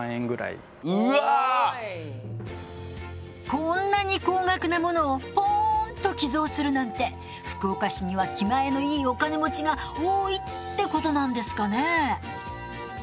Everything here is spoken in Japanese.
こんなに高額なものをポーンと寄贈するなんて福岡市には気前のいいお金持ちが多いってことなんですかね？